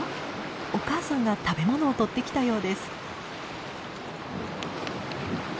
お母さんが食べものをとってきたようです。